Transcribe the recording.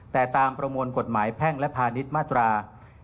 แต่ตามประมวลกฎหมายแพ่งและพาณิชย์มาตรา๑๕